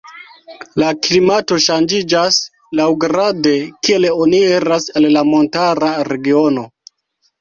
La klimato ŝanĝiĝas laŭgrade kiel oni iras al la montara regiono.